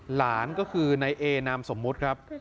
หลานก็คือนายเอนามสมมุติครับ